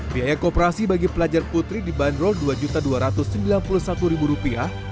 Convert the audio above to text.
biaya kooperasi bagi pelajar putri dibanderol dua dua ratus sembilan puluh satu rupiah